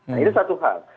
nah itu satu hal